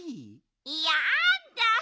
やだ。